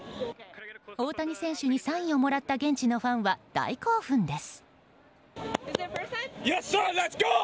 大谷選手にサインをもらった現地のファンは大興奮です。